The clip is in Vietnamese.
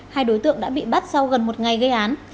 hai đối tượng đã bị bắt sau gần một ngày gây án